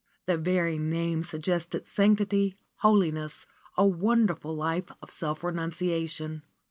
The very name suggested sanctity, holiness, a wonderful life of self renunciation.